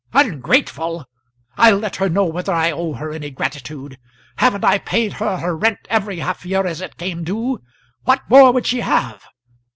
"Ungrateful! I'll let her know whether I owe her any gratitude. Haven't I paid her her rent every half year as it came due? what more would she have?